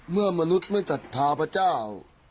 เมื่อมนุษย์ไม่จัดทาพเจ้า